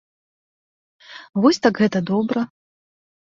Вось так гэта добра!